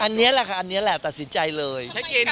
อันนี้แหละค่ะอันนี้แหละตัดสินใจเลย